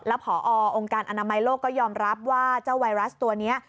พอองค์การอนามัยโลกก็ยอมรับว่าเจ้าไวรัสตัวนี้